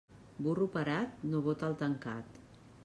Burro parat no bota el tancat.